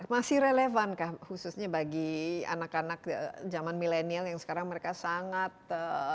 masih relevan kah khususnya bagi anak anak zaman milenial yang sekarang mereka sangat ya lebih banyak